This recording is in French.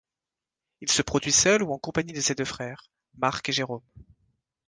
Il se produit seul ou en compagnie de ses deux frères, Marc et Jérôme.